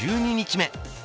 １２日目。